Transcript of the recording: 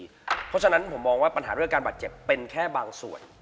เพราะฉะนั้นผมมองว่าปัญหาเรื่องการบาดเจ็บเป็นแค่บางส่วน